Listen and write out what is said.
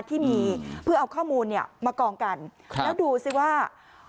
ที่มีเพื่อเอาข้อมูลเนี่ยมากองกันครับแล้วดูสิว่า